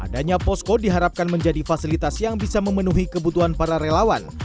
adanya posko diharapkan menjadi fasilitas yang bisa memenuhi kebutuhan para relawan